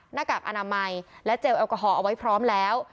หน้ากากอนามัยและเจลแอลกอฮอลเอาไว้พร้อมแล้ว